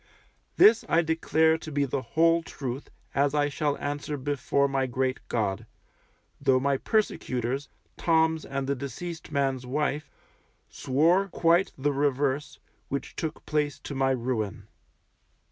This I declare to be the whole truth, as I shall answer before my great God; though my persecutors, Toms and the deceased man's wife, swore quite the reverse, which took place to my ruin.